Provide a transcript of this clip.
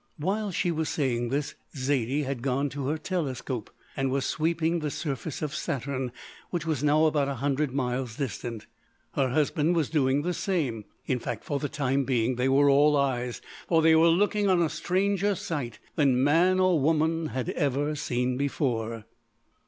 While she was saying this Zaidie had gone to her telescope, and was sweeping the surface of Saturn, which was now about a hundred miles distant. Her husband was doing the same. In fact, for the time being they were all eyes, for they were looking on a stranger sight than man or woman had ever seen before.